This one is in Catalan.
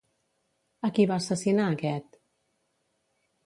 A qui va assassinar aquest?